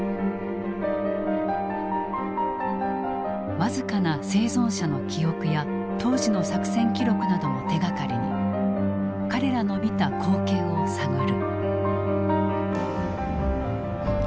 僅かな生存者の記憶や当時の作戦記録などを手がかりに彼らの見た光景を探る。